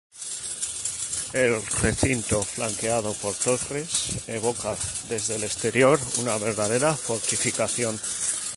El recinto flanqueado por torres evoca, desde el exterior, una verdadera fortificación.